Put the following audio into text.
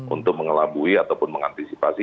untuk mengelabui ataupun mengantisipasi